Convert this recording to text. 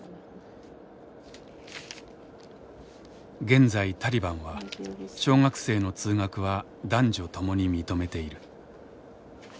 現在タリバンは小学生の通学は男女ともに認めている。